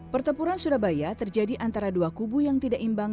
pertempuran surabaya terjadi antara dua kubu yang tidak imbang